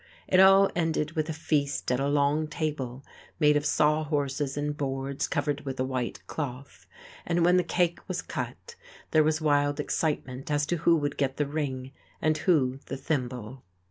It all ended with a feast at a long table made of sawhorses and boards covered with a white cloth, and when the cake was cut there was wild excitement as to who would get the ring and who the thimble.